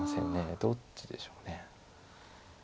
どっちでしょう。